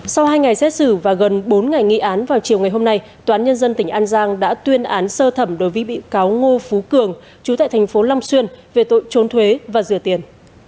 sau hai ngày xét xử và gần bốn ngày nghị án vào chiều ngày hôm nay toán nhân dân tỉnh an giang đã tuyên án sơ thẩm đối với bị cáo ngô phú cường chú tại thành phố long xuyên về tội trốn thuế và rửa tiền